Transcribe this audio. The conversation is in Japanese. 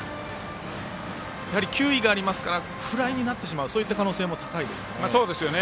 球威がありますからフライになってしまう可能性も高いですかね。